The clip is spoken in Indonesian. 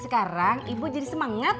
sekarang ibu jadi semangat